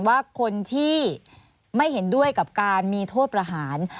ว่าคนที่ไม่เห็นด้วยกับการมีโทษประหาร